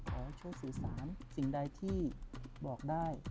ขอให้ช่วยสื่อสารสิ่งใดที่บอกได้